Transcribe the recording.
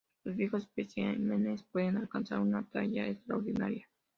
Los viejos especímenes pueden alcanzar una talla extraordinaria.